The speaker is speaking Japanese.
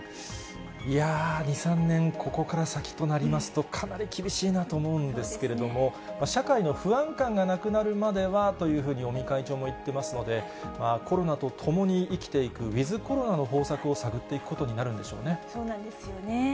いやー、２、３年、ここから先となりますと、かなり厳しいなと思うんですけれども、社会の不安感がなくなるまではというふうに尾身会長も言っておられますので、コロナと共に生きていくウィズコロナの方策を探ってそうなんですよね。